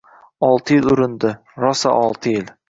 Olti yml urindi, rosa olti yil